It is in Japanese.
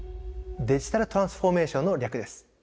デジタルトランスフォーメーションの略です。